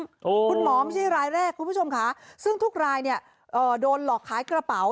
คุณหมอไม่ใช่รายแรกคุณผู้ชมค่ะซึ่งทุกรายเนี่ยเอ่อโดนหลอกขายกระเป๋า